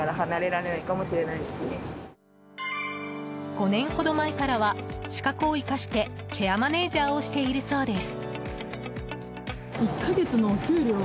５年ほど前からは資格を生かしてケアマネジャーをしているそうです。